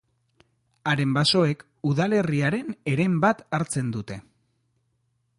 Haren basoek udalerriaren heren bat hartzen dute.